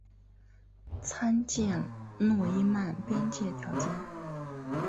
参见诺伊曼边界条件。